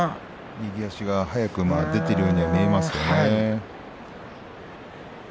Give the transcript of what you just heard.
右足が早く出ているようには見えますね。